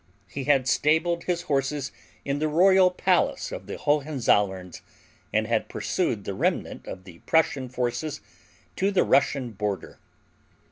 He had stabled his horses in the royal palace of the Hohenzollerns and had pursued the remnant of the Prussian forces to the Russian border.